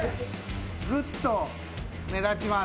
グッと目立ちます。